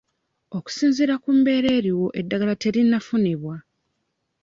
Okusinziira ku mbeera eriwo eddagala terinnafunibwa.